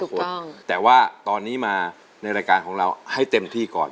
คนแต่ว่าตอนนี้มาในรายการของเราให้เต็มที่ก่อน